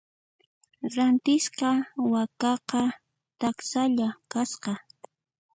Rantisqa wakaqa taksalla kasqa.